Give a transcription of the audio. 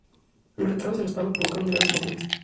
Los retrasos en los pagos provocaron diversos motines.